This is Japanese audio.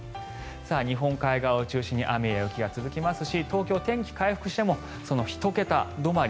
日本海側を中心に雨や雪が続きますし東京、天気が回復しても１桁止まり。